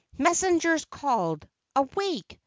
Messengers called: "Awake!